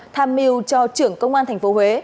tham mưu cho trưởng công an thành phố huế